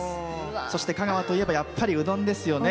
そして香川といえばやっぱり、うどんですよね。